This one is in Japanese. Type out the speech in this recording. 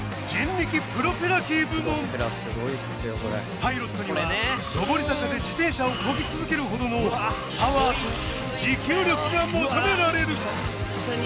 パイロットには上り坂で自転車をこぎ続けるほどのパワーと持久力が求められる！